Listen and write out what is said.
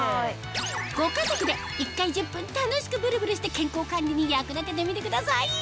ご家族で１回１０分楽しくブルブルして健康管理に役立ててみてください